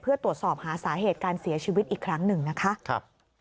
เพื่อตรวจสอบหาสาเหตุการเสียชีวิตอีกครั้งหนึ่งนะคะ